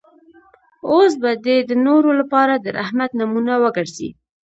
اوس به دی د نورو لپاره د رحمت نمونه وګرځي.